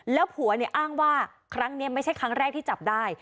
แล้วผัวเนี่ยอ้างว่าครั้งนี้ไม่ใช่ครั้งแรกที่จับได้